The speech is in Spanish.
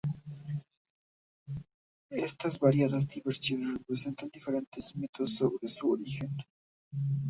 Estas variadas divisiones representan diferentes mitos sobre su origen.